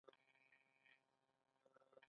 خیر ده اوس یی توبه ویستلی ده